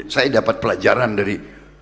saya dapat pelajaran dari